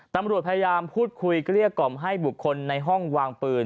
ตำรวจพยายามพูดคุยเกลี้ยกล่อมให้บุคคลในห้องวางปืน